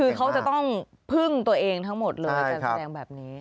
คือเขาจะต้องพึ่งตัวเองทั้งหมดเลยการแสดงแบบนี้